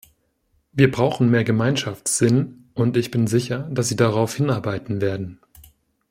Wir brauchen mehr Gemeinschaftssinn, und ich bin sicher, dass Sie darauf hinarbeiten werden.